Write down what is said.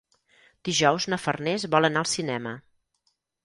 Dijous na Farners vol anar al cinema.